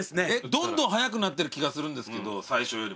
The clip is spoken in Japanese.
どんどん速くなってる気がするんですけど最初よりも。